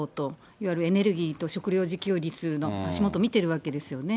いわゆるエネルギーと食料自給率の足元見てるわけですよね。